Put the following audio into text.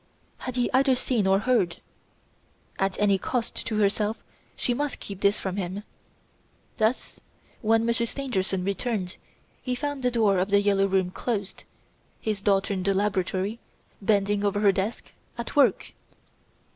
Had he either seen or heard? At any cost to herself she must keep this from him. Thus when Monsieur Stangerson returned, he found the door of "The Yellow Room" closed, and his daughter in the laboratory, bending over her desk, at work!"